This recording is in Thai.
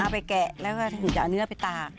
ไปแกะแล้วก็ถึงจะเอาเนื้อไปตาก